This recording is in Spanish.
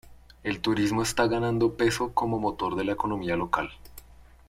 El turismo está ganando peso como motor de la economía local.